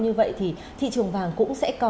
như vậy thì thị trường vàng cũng sẽ có